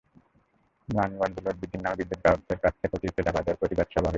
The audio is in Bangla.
নারায়ণগঞ্জে লোড বৃদ্ধির নামে বিদ্যুৎ-গ্রাহকদের কাছ থেকে অতিরিক্ত টাকা আদায়ের প্রতিবাদে সভা হয়েছে।